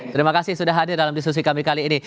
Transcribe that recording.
terima kasih sudah hadir dalam diskusi kami kali ini